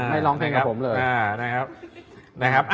ไม่ร้องเพลงกับผมเลย